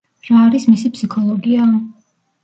რა არის მისი ფსიქოლოგია?